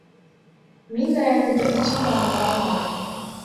Мин Даянды бер ҡасан да онота алмам.